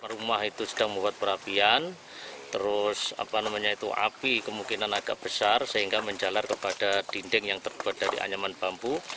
rumah itu sedang membuat perapian terus api kemungkinan agak besar sehingga menjalar kepada dinding yang terbuat dari anyaman bambu